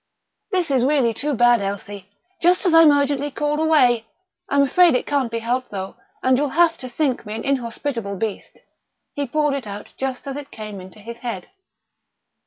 "This is really too bad, Elsie! Just as I'm urgently called away! I'm afraid it can't be helped though, and that you'll have to think me an inhospitable beast." He poured it out just as it came into his head.